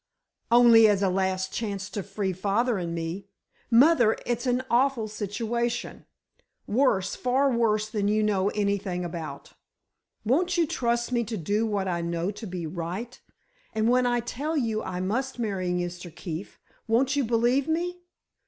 "Only as a last chance to free father and me. Mother it's an awful situation. Worse, far worse than you know anything about. Won't you trust me to do what I know to be right—and when I tell you I must marry Mr. Keefe, won't you believe me?